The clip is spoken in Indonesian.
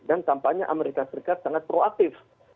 dan tampaknya amerika serikat sangat proaktif